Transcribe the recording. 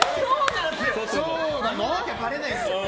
言わなきゃばれないんですよ。